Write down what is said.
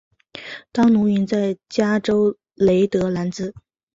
当奴云在加州雷德兰兹。